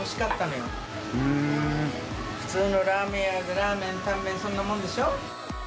普通のラーメン屋はラーメンタンメンそんなもんでしょ。